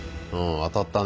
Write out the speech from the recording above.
当たったね。